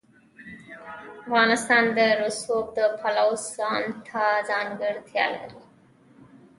افغانستان د رسوب د پلوه ځانته ځانګړتیا لري.